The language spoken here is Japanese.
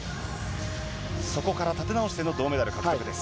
そこから立て直しての銅メダル獲得です。